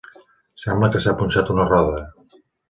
Sembla que s'ha punxat una roda.